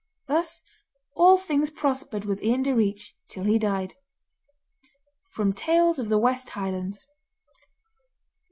Thus all things prospered with Ian Direach till he died. [From Tales of the West Highlands.